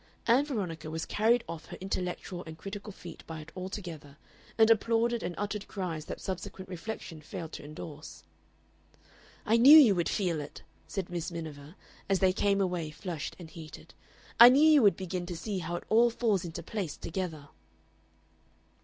Ann Veronica was carried off her intellectual and critical feet by it altogether, and applauded and uttered cries that subsequent reflection failed to endorse. "I knew you would feel it," said Miss Miniver, as they came away flushed and heated. "I knew you would begin to see how it all falls into place together."